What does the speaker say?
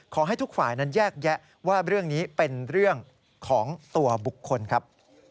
ขอให้ทุกฝ่ายนั้นแยกแยะว่าเรื่องนี้เป็นเรื่องของตัวบุคคลครับ